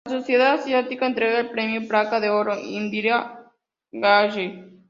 La Sociedad Asiática entrega el premio "Placa de Oro Indira Gandhi".